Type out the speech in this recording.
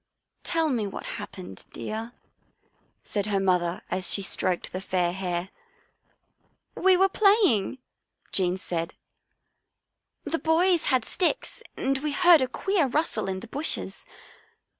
" Tell me what happened, dear," said her mother, as she stroked the fair hair. " We were playing," Jean said. " The boys 42 Our Little Australian Cousin had sticks and we heard a queer rustle in the bushes.